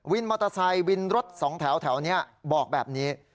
วินมอเตอร์ไซค์วินรถสองแถวนี้บอกแบบนี้